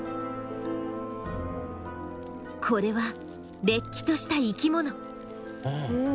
これはれっきとした生きもの。